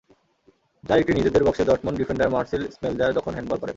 যার একটি নিজেদের বক্সে ডর্টমুন্ড ডিফেন্ডার মার্সেল স্মেলজার যখন হ্যান্ডবল করেন।